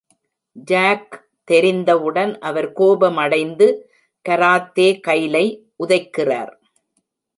Jack தெரிந்தவுடன் அவர் கோபமடைந்து கராத்தே கைலை உதைக்கிறார்.